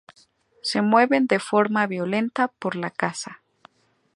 Se mueven de forma violenta por la casa.